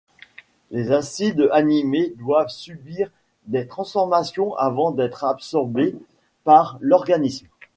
Les acides aminés doivent subir des transformations avant d’être absorbés par l’organisme.